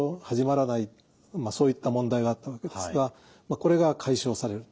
そういった問題があったわけですがこれが解消される。